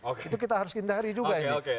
oke itu kita harus hindari juga ini oke oke oke